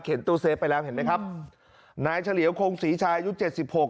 ตู้เซฟไปแล้วเห็นไหมครับนายเฉลียวคงศรีชายอายุเจ็ดสิบหก